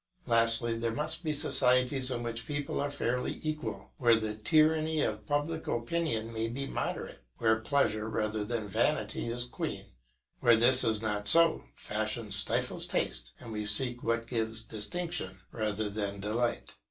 Lastly, there must be societies in which people are fairly equal, where the tyranny of public opinion may be moderate, where pleasure rather than vanity is queen; where this is not so, fashion stifles taste, and we seek what gives distinction rather than delight.